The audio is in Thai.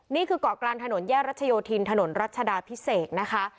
นี่คือเกาะกลางถนนแยกรัชโยธินถนนรัชดาพิเศษนะคะ